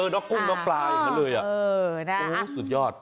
น้องกุ้งน้องปลาอย่างนั้นเลยสุดยอด